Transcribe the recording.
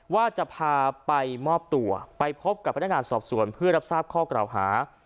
ว่าจะพาไปมอบตัวไปพบกับพนักงานสอบสวนเพื่อรับทราบข้อกล่าวหา